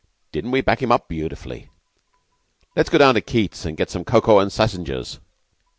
Didn't we back him up beautifully? Let's go down to Keyte's and get some cocoa and sassingers."